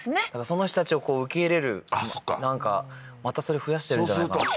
その人たちを受け入れるなんかまたそれ増やしてるんじゃないかな